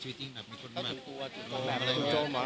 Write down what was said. ชีวิตจริงแบบมีคนมาก